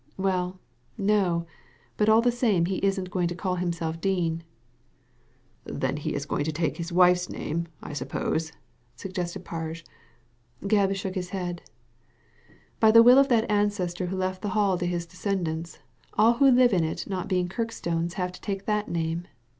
" Well, no ; but all the same he isn't going to call himself Dean." Digitized by Google THE END OF IT ALL 277 "Then he is going to take his wife's name, I suppose ?" suggested Parge. Gebb shook his head "By the will of that ancestor who left the Hall to his descendants, all who live in it not being Kirkstones have to take that name.